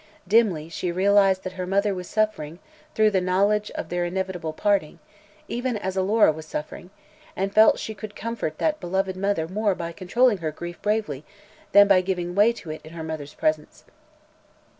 Dimly she realized that her mother was suffering through the knowledge of their inevitable parting, even as Alora was suffering, and felt she could comfort that beloved mother more by controlling her grief bravely than by giving way to it in her mother's presence.